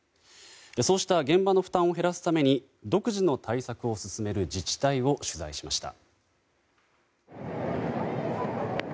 そうした現場の負担を減らすために独自の対策を進める自治体を取材しました。